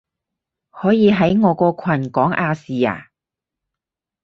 可以喺我個群講亞視啊